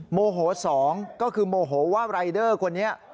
โมโหสองก็คือโมโหว่ารายเดอร์คนนี้